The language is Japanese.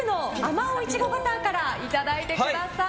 まおういちごバターからいただいてください。